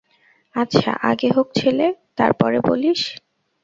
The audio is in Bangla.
আচ্ছা, আগে হোক ছেলে, তার পরে বলিস।